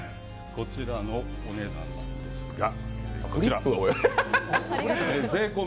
こちらのお値段なんですが、こちら。